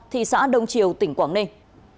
thị xã đông triều tỉnh quảng ninh